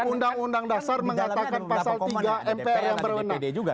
undang undang dasar mengatakan pasal tiga mpr yang berwenang